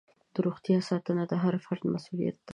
د روغتیا ساتنه د هر فرد مسؤلیت دی.